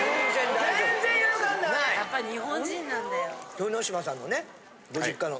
豊ノ島さんのねご実家の。